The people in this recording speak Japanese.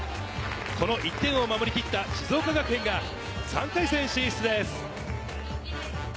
この１点を守りきった静岡学園が３回戦進出です。